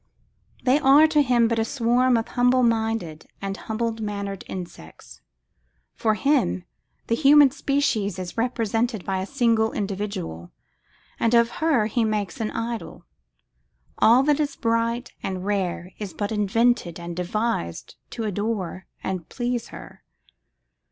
They are to him but a swarm of humble minded and humble mannered insects. For him, the human species is represented by a single individual, and of her he makes an idol. All that is bright and rare is but invented and devised to adorn and please her.